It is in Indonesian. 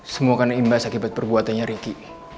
semua kan imbas akibat perbuatannya riki